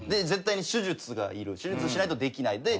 絶対に手術がいる手術しないとできない。